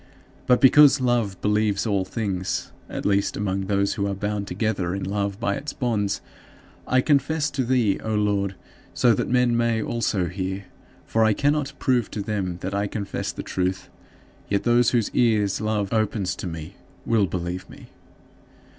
But, because "love believes all things" at least among those who are bound together in love by its bonds I confess to thee, O Lord, so that men may also hear; for if I cannot prove to them that I confess the truth, yet those whose ears love opens to me will believe me.